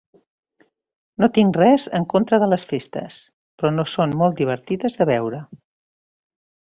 No tinc res en contra de les festes, però no són molt divertides de veure.